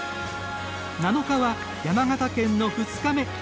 ７日は、山形県の２日目。